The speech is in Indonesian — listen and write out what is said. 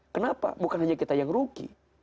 kenapa bukan hanya kita yang rugi